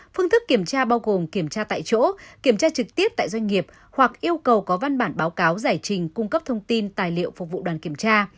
phương thức kiểm tra bao gồm kiểm tra tại chỗ kiểm tra trực tiếp tại doanh nghiệp hoặc yêu cầu có văn bản báo cáo giải trình cung cấp thông tin tài liệu phục vụ đoàn kiểm tra